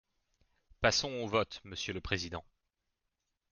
Passons au vote, monsieur le président